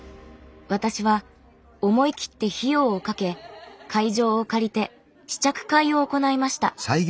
私は思い切って費用をかけ会場を借りて試着会を行いました。